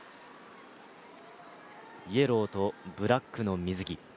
イエローとブラックの水着。